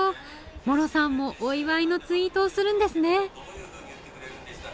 もろさんもお祝いのツイートをするんですね！